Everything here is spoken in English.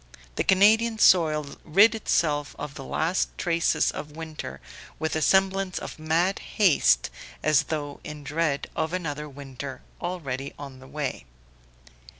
The Canadian soil rid itself of the last traces of winter with a semblance of mad haste, as though in dread of another winter already on the way.